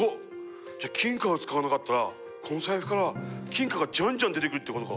じゃあ金貨を使わなかったらこの財布から金貨がじゃんじゃん出てくるってことか。